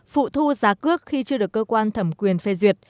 phụ thu giá cước khi chưa được cơ quan thẩm quyền phê duyệt